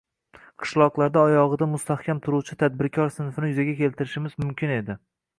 qishloqlarda oyog‘ida mustahkam turuvchi tadbirkor sinfni yuzaga keltirishimiz mumkin edi